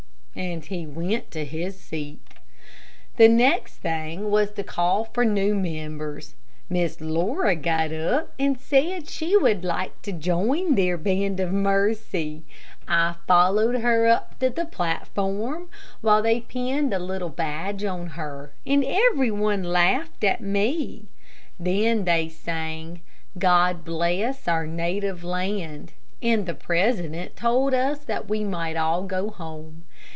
And he went to his seat. The next thing was to call for new members. Miss Laura got up and said she would like to join their Band of Mercy. I followed her up to the platform, while they pinned a little badge on her, and every one laughed at me. Then they sang, "God Bless our Native Land," and the president told us that we might all go home.